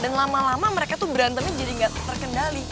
dan lama lama mereka tuh berantemnya jadi gak terkendali